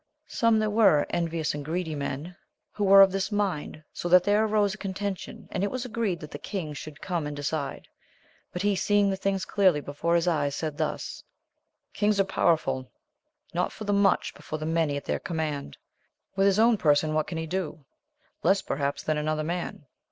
Some there were, envious and greedy men, who were of this mind, so that there arose a contention, and it was agreed that the king should come and decide. But he seeing the thing clearly before his eyes, said thus : Kings are powerful not io^'t ate much, but {ot the Tmny al tWix ^ioxoxaasA* ^>Sp 176 AMADI8 OF GAUL. his own person what can he do ? less perhaps than another man.